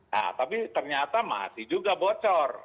nah tapi ternyata masih juga bocor